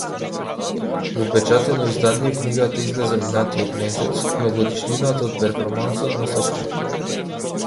Во печатено издание книгата излезе минатиот месец, на годишнината од перформансот на составот.